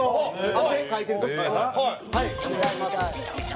汗かいてる時かな。